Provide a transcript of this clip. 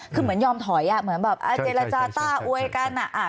คือเหมือนยอมถอยเหมือนแบบเจรจาต้าอวยกัน